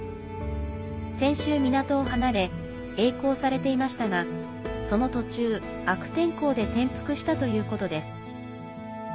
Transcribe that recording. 先週、港を離れえい航されていましたがその途中、悪天候で転覆したということです。